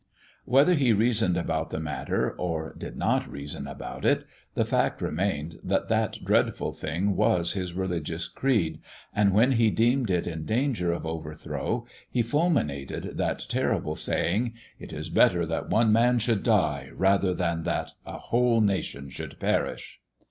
Whether he reasoned about the matter or did not reason about it the fact remained that that dreadful thing was his religious creed, and when he deemed it in danger of overthrow he fulminated that terrible saying: "It is better that one man should die rather than that a whole nation should perish."